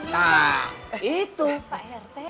nah itu pak rt